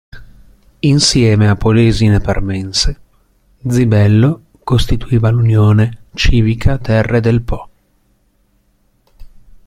Insieme a Polesine Parmense, Zibello costituiva l'unione civica Terre del Po.